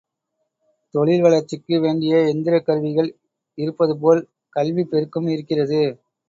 தொழில் வளர்ச்சிக்கு வேண்டிய எந்திரக் கருவிகள் இருப்பதுபோல் கல்விப் பெருக்கும் இருக்கிறது.